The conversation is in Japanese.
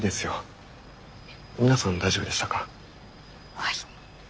はい。